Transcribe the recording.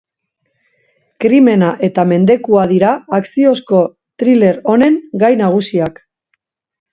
Krimena eta mendekua dira akziozko thriller honen gai nagusiak.